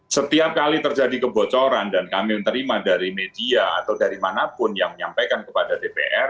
setiap kali terjadi kebocoran dan kami menerima dari media atau dari manapun yang menyampaikan kepada dpr